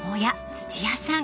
土屋さん